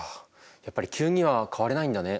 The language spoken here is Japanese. やっぱり急には変われないんだね。